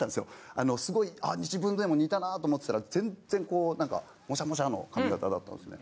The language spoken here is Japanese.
あのすごい自分でも似たなと思ってたら全然こう何かモシャモシャの髪形だったんですね。